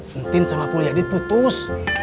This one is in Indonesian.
mentin sama puli adit putus